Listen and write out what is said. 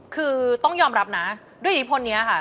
คือต้องยอมรับนะด้วยอิทธิพลนี้ค่ะ